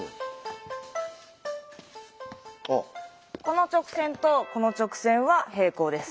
この直線とこの直線は平行です。